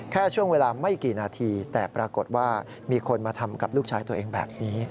แค่ช่วงเวลาไม่กี่นาทีแต่ปรากฏว่ามีคนมาทำกับลูกชายตัวเองแบบนี้